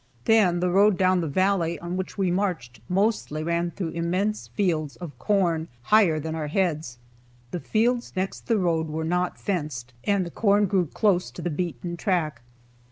Then the road down the valley on which we marched mostly ran through immense fields of corn higher than our heads. The fields next the road were not fenced, and the corn grew close to the beaten track.